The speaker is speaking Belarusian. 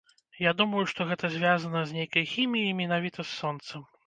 Я думаю, што гэта звязана з нейкай хіміяй і менавіта з сонцам.